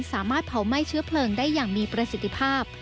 สามารถเผาไหม้เชื้อเพลิงได้อย่างมีประสิทธิภาพ